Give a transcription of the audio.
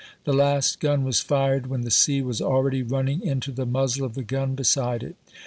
The last gun was fired when the sea was already running into the muzzle of the gun beside it.